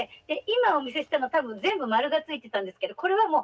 で今お見せしたのは多分全部○がついてたんですけどこれは